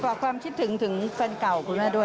ความคิดถึงถึงแฟนเก่าคุณแม่ด้วย